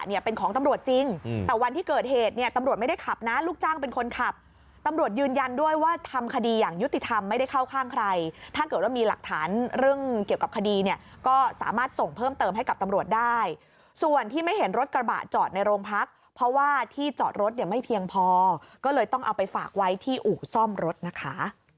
ซึ่งเกี่ยวกับคดีเนี่ยก็สามารถส่งเพิ่มเติมให้กับตำรวจได้ส่วนที่ไม่เห็นรถกระบะจอดในโรงพักเพราะว่าที่จอดรถเนี่ยไม่เพียงพอก็เลยต้องเอาไปฝากไว้ที่อู่ซ่อมรถนะคะ